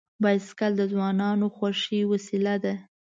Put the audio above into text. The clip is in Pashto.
بایسکل د ځوانانو خوښي وسیله ده.